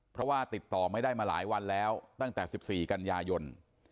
เพราะว่าติดต่อไม่ได้มาหลายวันแล้วตั้งแต่๑๔กันยายน